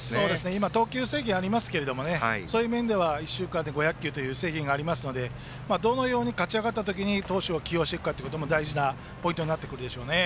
今、投球制限がありますがそういう面では１週間で５００球という制限がありますからどのように勝ち上がった時に投手を起用するかも大事なポイントになるでしょうね。